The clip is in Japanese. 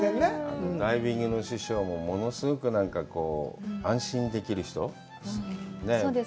ダイビングの師匠も物すごく安心できる人で。